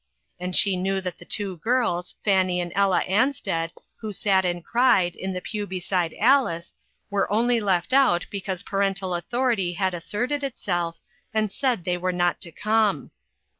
And she knew that the two girls, Fanny and Ella Ansted, who sat and cried, in the pew be side Alice, were only left out because pa rental authority had asserted itself, and said they were not to come.